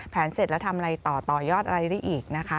เสร็จแล้วทำอะไรต่อต่อยอดอะไรได้อีกนะคะ